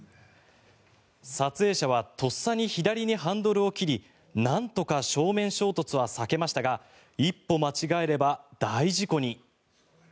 撮影者はとっさに左にハンドルを切りなんとか正面衝突は避けましたが一歩間違えれば大事故に。